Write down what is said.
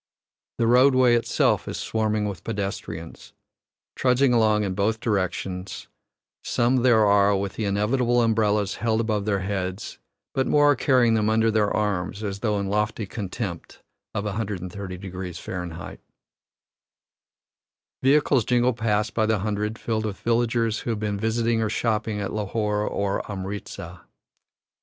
The roadway itself is swarming with pedestrians, trudging along in both directions; some there are with the inevitable umbrellas held above their heads, but more are carrying them under their arms, as though in lofty contempt of 130 deg. Fahr. Vehicles jingle past by the hundred, filled with villagers who have been visiting or shopping at Lahore or Amritza.